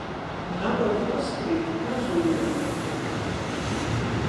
Navaru paskrīt, pazūle atkryta.